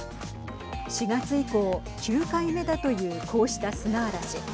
４月以降、９回目だというこうした砂嵐。